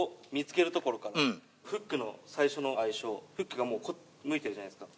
フックの最初の相性フックがもうこう向いてるじゃないですか。